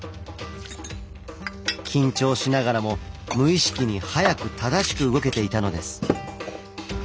緊張しながらも無意識に速く正しく動けていたのです。